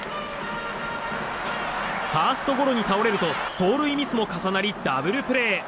ファーストゴロに倒れると走塁ミスも重なりダブルプレー。